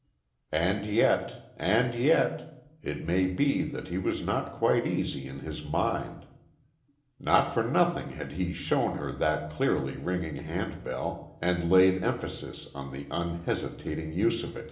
And yet and yet it may be that he was not quite easy in his mind. Not for nothing had he shown her that clearly ringing handbell, and laid emphasis on the unhesitating use of it.